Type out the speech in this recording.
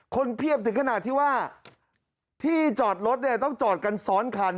เพียบถึงขนาดที่ว่าที่จอดรถเนี่ยต้องจอดกันซ้อนคัน